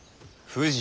富士？